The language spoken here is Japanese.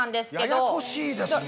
ややこしいですね。